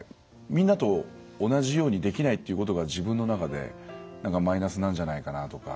みんなと同じようにできないっていうことが自分の中でマイナスなんじゃないかなとか。